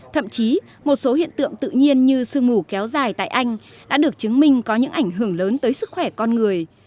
thậm chí một số hiện tượng tự nhiên như sương mù kéo dài tại anh đã được chứng minh có những ảnh hưởng lớn tới sức khỏe con người